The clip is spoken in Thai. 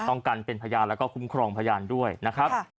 ต้องกันเป็นพยานแล้วก็คุ้มครองพยานด้วยนะครับ